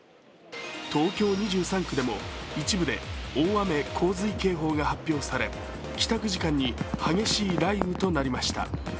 東京２３区でも一部で大雨洪水警報が発表され、帰宅時間に激しい雷雨となりました。